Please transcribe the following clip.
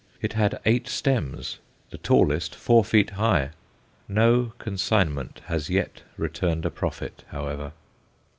It had eight stems, the tallest four feet high. No consignment has yet returned a profit, however.